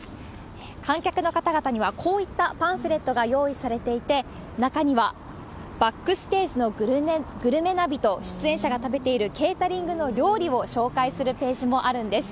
観客の方々には、こういったパンフレットが用意されていて、中には、バックステージのグルメナビと、出演者が食べているケータリングの料理を紹介するページもあるんです。